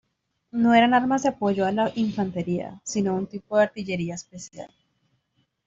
No eran armas de apoyo a la infantería, sino un tipo de artillería especial.